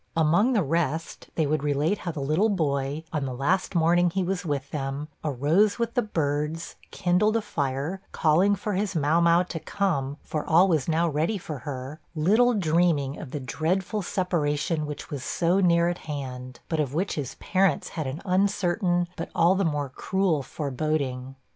Among the rest, they would relate how the little boy, on the last morning he was with them, arose with the birds, kindled a fire, calling for his Mau mau to 'come, for all was now ready for her' little dreaming of the dreadful separation which was so near at hand, but of which his parents had an uncertain, but all the more cruel foreboding.